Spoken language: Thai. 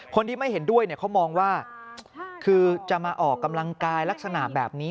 คนที่ไม่เห็นด้วยเขามองว่าคือจะมาออกกำลังกายลักษณะแบบนี้